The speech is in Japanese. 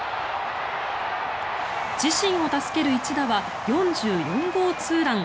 自身を助ける一打は４４号ツーラン。